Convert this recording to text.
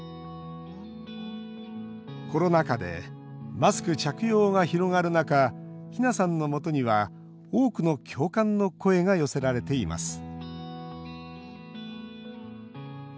コロナ禍でマスク着用が広がる中ひなさんのもとには多くの共感の声が寄せられています